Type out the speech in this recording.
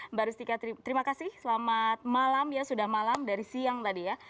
mbak rustika terima kasih selamat malam ya sudah malam dari siang tadi ya